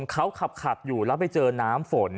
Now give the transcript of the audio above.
เขาขับอยู่แล้วไปเจอน้ำฝน